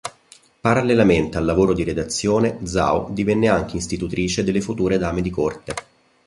Parallelamente al lavoro di redazione, Zhao divenne anche istitutrice delle future dame di corte.